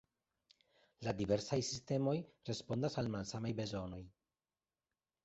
La diversaj sistemoj respondas al malsamaj bezonoj.